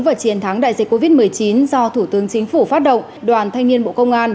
và chiến thắng đại dịch covid một mươi chín do thủ tướng chính phủ phát động đoàn thanh niên bộ công an